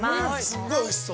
◆すごいおいしそう。